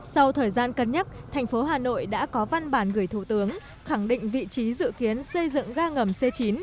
sau thời gian cân nhắc thành phố hà nội đã có văn bản gửi thủ tướng khẳng định vị trí dự kiến xây dựng ga ngầm c chín